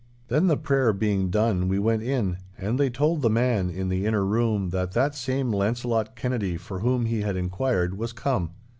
Then the prayer being done we went in, and they told the man in the inner room that that same Launcelot Kennedy, for whom he had inquired, was come.